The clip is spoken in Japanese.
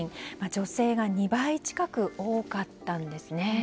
女性が２倍近く多かったんですね。